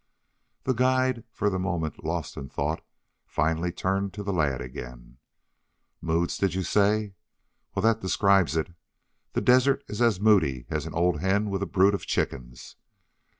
The guide, for the moment lost in thought, finally turned to the lad again. "Moods, did you say? Well, that describes it. The desert is as moody as an old hen with a brood of chickens.